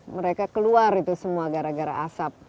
mereka keluar itu semua gara gara asap